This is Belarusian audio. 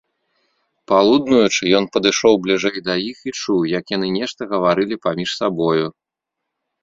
Палуднуючы, ён падышоў бліжэй да іх і чуў, як яны нешта гаварылі паміж сабою.